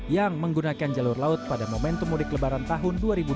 yang menggunakan jalur laut pada momentum mudik lebaran tahun dua ribu dua puluh